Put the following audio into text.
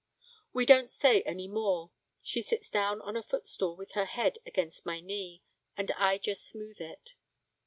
We don't say any more; she sits down on a footstool with her head against my knee, and I just smooth it.